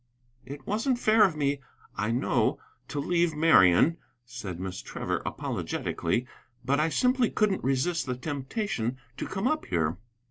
"It wasn't fair of me, I know, to leave Marian," said Miss Trevor, apologetically, "but I simply couldn't resist the temptation to come up here."